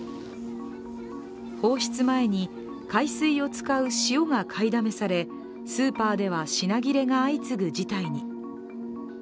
放出前に海水を使う塩が買いだめされスーパーでは品切れが相次ぐ事態に。